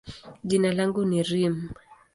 jina langu ni Reem.